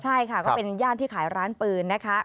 ใช่ค่ะก็เป็นย่านที่ขายร้านปืนนะคะ